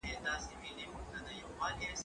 زه اجازه لرم چي انځورونه رسم کړم،